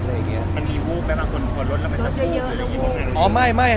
อ๋อน้องมีหลายคน